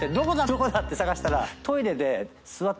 どこだ？って捜したら。